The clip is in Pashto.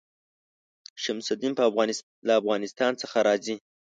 شمس الدین له افغانستان څخه راځي.